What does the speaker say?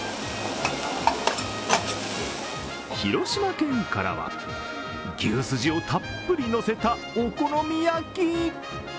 広島県からは、牛すじをたっぷり乗せたお好み焼き。